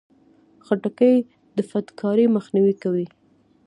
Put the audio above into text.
خټکی د فټکاري مخنیوی کوي.